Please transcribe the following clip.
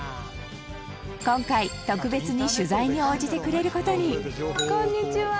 今回、特別に取材に応じてくれる事に村上：こんにちは！